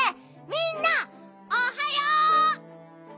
みんなおはよう！